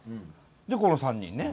でこの３人ね。